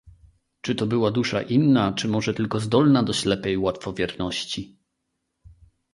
"Czy to była dusza inna, czy może tylko zdolna do ślepej łatwowierności?"